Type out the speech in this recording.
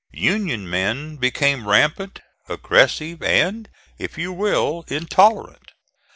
Union men became rampant, aggressive, and, if you will, intolerant.